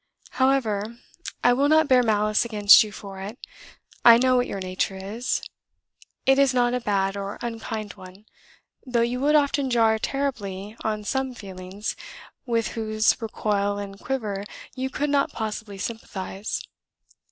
"However, I will not bear malice against you for it; I know what your nature is: it is not a bad or unkind one, though you would often jar terribly on some feelings with whose recoil and quiver you could not possibly sympathise.